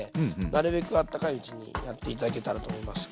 なるべくあったかいうちにやって頂けたらと思います。